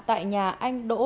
tại nhà anh em của lâm gia hiếu